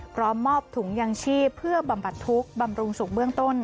พร้อมมอบถุงยางชีพเพื่อบำบัดทุกข์บำรุงสุขเบื้องต้น